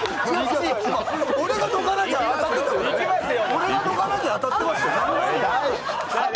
俺がどかなきゃ当たってましたよ。